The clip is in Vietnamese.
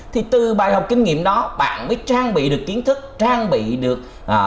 thì từ bài học kinh nghiệm đó bạn mới trang bị được kiến thức trang bị được